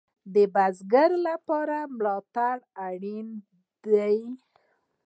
د بزګر لپاره ملاتړ اړین دی